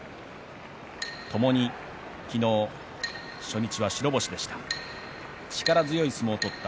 ともに昨日、初日は白星でした。